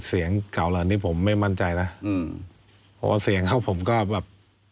เสียงเก่าเหรออันนี้ผมไม่มั่นใจนะเพราะว่าเสียงเขาผมก็แบบ